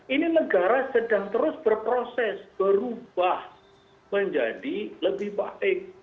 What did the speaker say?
ini negara sedang terus berproses berubah menjadi lebih baik